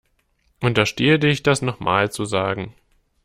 Unterstehe dich das nochmal zu sagen.